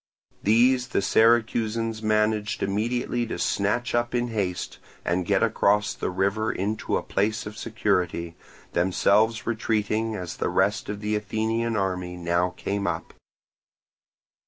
These the Syracusans managed immediately to snatch up in haste and get across the river into a place of security, themselves retreating as the rest of the Athenian army now came up.